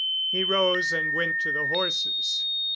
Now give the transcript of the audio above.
He rose and went to the horses.